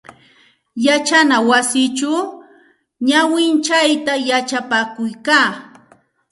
Yachana wasichaw nawintsayta yachapakuykaa.